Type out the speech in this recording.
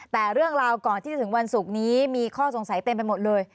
แต่เรื่องราวก่อนที่จะถึงวันศุกร์นี้มีข้อสงสัยเต็มไปหมดเลย